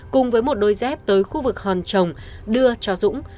cùng với một đôi dép tới khu vực hòn trồng đưa cho dũng